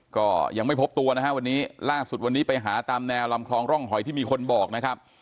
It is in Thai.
ก็ยังไม่พบตัวนะฮะวันนี้ล่าสุดวันนี้ไปหาตามแนวลำคลองร่องหอยที่มีคนบอกนะครับ